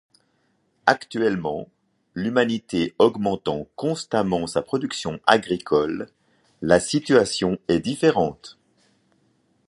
Actuellement l'humanité augmentant constamment sa production agricole, la situation est différente.